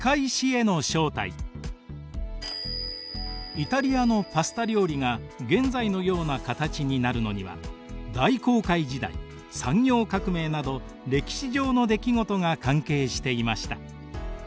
イタリアのパスタ料理が現在のような形になるのには大航海時代産業革命など歴史上の出来事が関係していました。